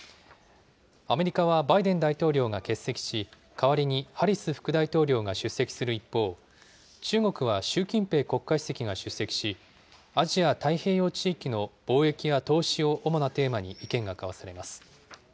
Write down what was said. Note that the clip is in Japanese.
アメリカはバイデン大統領が欠席し、代わりにハリス副大統領が出席する一方、中国は習近平国家主席が出席し、アジア太平洋地域の貿易や投資を主なテーマに意見が交わされます。